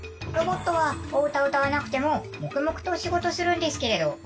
ロボットはお歌歌わなくても黙々と仕事するんですけれど。